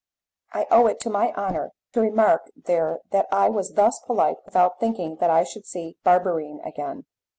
I owe it to my honour to remark here that I was thus polite without thinking that I should see Barberine again.